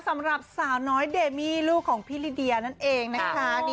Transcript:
สำหรับสาวน้อยเดมี่ลูกของพี่ลิเดียนั่นเองนะคะ